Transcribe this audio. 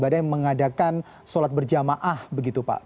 ibadah yang mengadakan sholat berjamaah begitu pak